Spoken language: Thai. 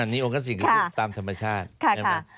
นี่องคลาสสิกก็พูดตามธรรมชาติใช่ไหม